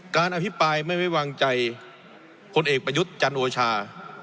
การอภิปัยไม่ไว้วางใจคนเอกประยุทธ์จันทร์โอชา